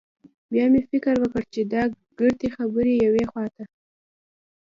بيا مې فکر وکړ چې دا ګردې خبرې يوې خوا ته.